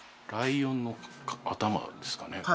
ライオンの頭ですかね？